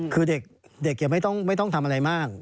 คือเด็กไม่ต้องทำอะไรมาก